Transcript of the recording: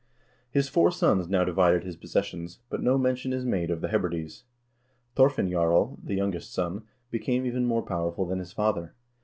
His four sons now divided his possessions, but no mention is made of the Hebrides. Thorfinn Jarl, the youngest son, became even more powerful than his father.